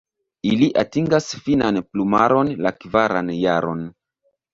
Ili atingas finan plumaron la kvaran jaron.